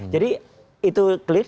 jadi itu clear